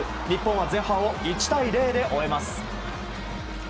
日本は前半を１対０で終えます。